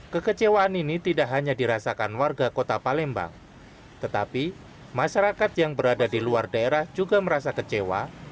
kekecewaan ini tidak hanya dirasakan warga kota palembang tetapi masyarakat yang berada di luar daerah juga merasa kecewa